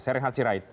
saya reinhard sirait